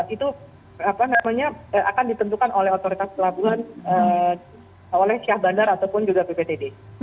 itu akan ditentukan oleh otoritas pelabuhan oleh syah bandar ataupun juga bptd